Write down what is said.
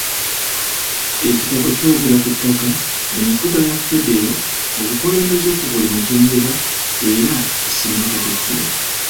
Ekitabo kyogera ku ttaka, enfuga ya Federo, obukulembeze ku buli mutendera, era kisiima Katikkiro.